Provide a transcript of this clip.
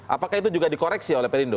apakah itu juga dikoreksi oleh perindo